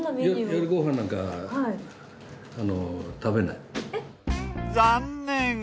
夜ご飯なんか食べない。